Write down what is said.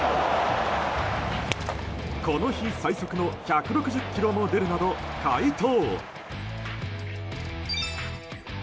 この日最速の１６０キロも出るなど快投。